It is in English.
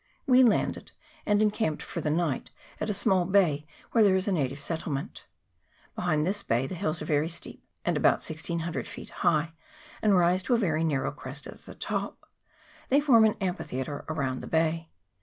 We landed, and encamped for the night at a small bay where there is a native settlement. Behind this bay the hills are very steep, and about 1600 feet high, and rise to a very narrow crest at the top : they form an amphi theatre round the bay.